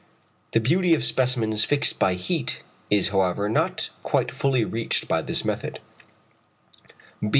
The beauty of specimens fixed by heat is however not quite fully reached by this method.